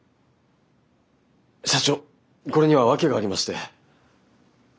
社長これには訳がありまして。